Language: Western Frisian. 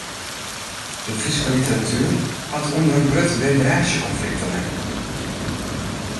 De Fryske literatuer hat ûnder in grut generaasjekonflikt te lijen.